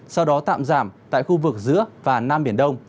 sau đó tạm giảm tại khu vực giữa và nam biển đông